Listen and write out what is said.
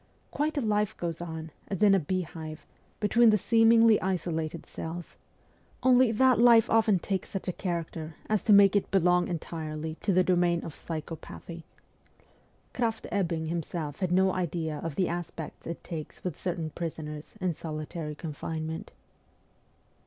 Quite a life goes on, as in a beehive, between the seemingly isolated cells ; only that life often takes such a character as to make it belong entirely to the domain of psycho pathy. Kraft Ebbing himself had no idea of the aspects it takes with certain prisoners in solitary con finement.